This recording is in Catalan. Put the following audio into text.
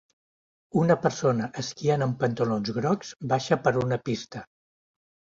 Una persona esquiant amb pantalons grocs baixa per una pista.